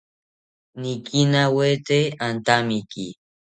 Nikinawete antamiki